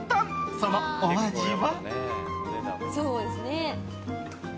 そのお味は？